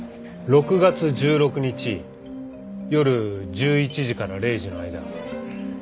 ６月１６日夜１１時から０時の間何してた？